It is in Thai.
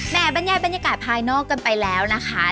บรรยายบรรยากาศภายนอกกันไปแล้วนะคะ